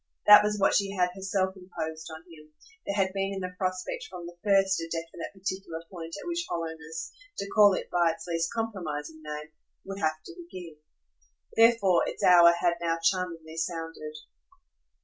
That was what she had herself imposed on him; there had been in the prospect from the first a definite particular point at which hollowness, to call it by its least compromising name, would have to begin. Therefore its hour had now charmingly sounded.